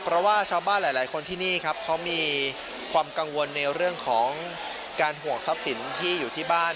เพราะว่าชาวบ้านหลายคนที่นี่ครับเขามีความกังวลในเรื่องของการห่วงทรัพย์สินที่อยู่ที่บ้าน